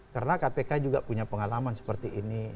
karena kpk juga punya pengalaman seperti ini